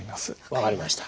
分かりました。